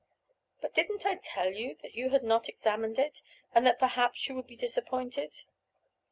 "But didn't I tell you that you had not examined it; and that perhaps you would be disappointed?"